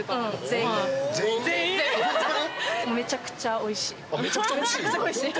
めちゃくちゃおいしいんですか。